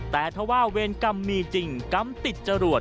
แต่ถ้าว่าเวรกรรมมีจริงกรรมติดจรวด